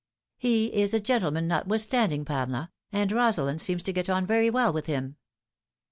" He is a gentleman, notwithstanding, Pamela, and Rosalind seems to get on very well with him."